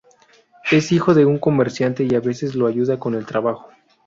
Es hijo de un comerciante y a veces lo ayuda con el trabajo.